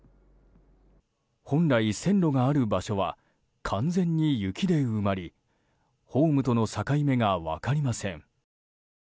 本来、線路がある場所は完全に雪で埋まりホームとの境目が分かりません。